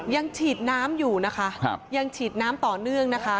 ยังฉีดน้ำอยู่นะคะยังฉีดน้ำต่อเนื่องนะคะ